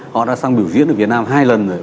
họ đã sang biểu diễn ở việt nam hai lần rồi